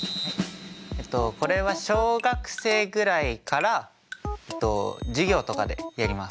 えっとこれは小学生ぐらいから授業とかでやります。